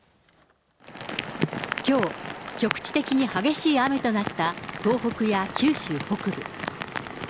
きょう、局地的に激しい雨となった東北や九州北部。